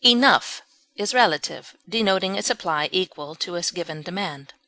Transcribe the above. Enough is relative, denoting a supply equal to a given demand.